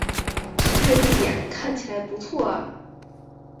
这地点看起来不错啊